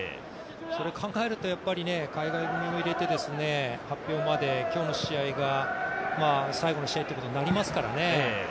それを考えると海外組も入れて、発表まで今日の試合が最後の試合ってことになりますからね。